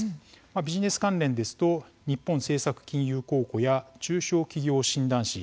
ビジネス関連ですと日本政策金融公庫や中小企業診断士